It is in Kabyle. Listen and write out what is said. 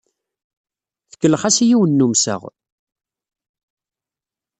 Tkellex-as i yiwen n wemsaɣ.